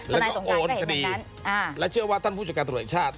คณะสงกรายก็เห็นแบบนั้นแล้วเชื่อว่าท่านผู้จัดการตรวจชาติ